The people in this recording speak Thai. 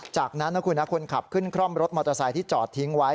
จากนั้นนะคุณคนขับขึ้นคร่อมรถมอเตอร์ไซค์ที่จอดทิ้งไว้